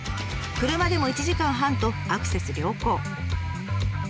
車でも１時間半とアクセス良好。